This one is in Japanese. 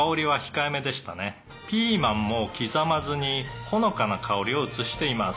「ピーマンも刻まずにほのかな香りを移しています」